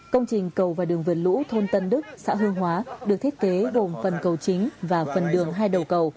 công trình cầu và đường vượt lũ thôn tân đức xã hương hóa được thiết kế gồm phần cầu chính và phần đường hai đầu cầu